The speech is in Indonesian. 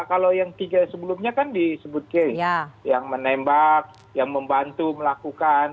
kalau yang tiga sebelumnya kan disebut key yang menembak yang membantu melakukan